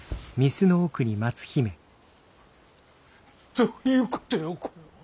どういうことやこれは。